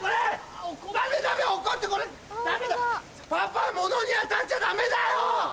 パパものに当たっちゃダメだよ！